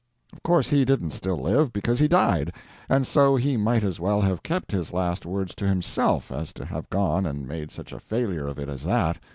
Of course he didn't still live, because he died and so he might as well have kept his last words to himself as to have gone and made such a failure of it as that.